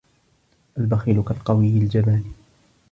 الْبَخِيلُ كَالْقَوِيِّ الْجَبَانِ